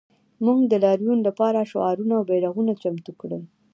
موږ د لاریون لپاره شعارونه او بیرغونه چمتو کړل